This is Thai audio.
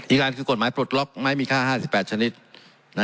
อีกอันคือกฎหมายปลดล็อกไม้มีค่าห้าสิบแปดชนิดนะ